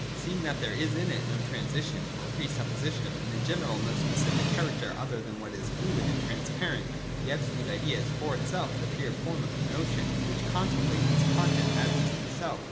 237.] Seeing that there is in it no transition, or pre supposition, and in general no specific character other than what is fluid and transparent, the Absolute Idea is for itself the pure form of the notion, which contem plates its content as its own self.